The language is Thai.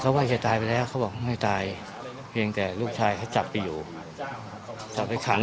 ว่าแกตายไปแล้วเขาบอกไม่ตายเพียงแต่ลูกชายเขาจับไปอยู่จับไปขัง